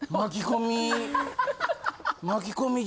巻き込み。